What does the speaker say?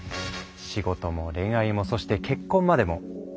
仕事も恋愛もそして結婚までも。